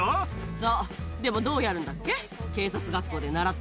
そう、でもどうやるんだっけ？